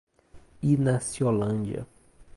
Inaciolândia